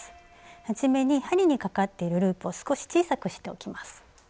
はじめに針にかかっているループを少し小さくしておきます。